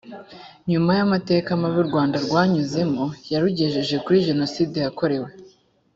nyuma y amateka mabi u rwanda rwanyuzemo yarugejeje kuri jenoside yakorewe